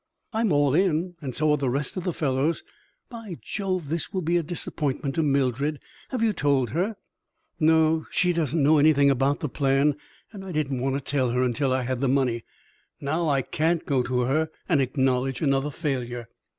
"I'm all in, and so are the rest of the fellows. By Jove, this will be a disappointment to Mildred! Have you told her?" "No. She doesn't know anything about the plan, and I didn't want to tell her until I had the money. Now I can't go to her and acknowledge another failure."